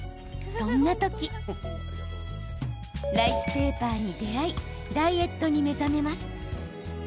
そんな時ライスペーパーに出会いダイエットに目覚めます。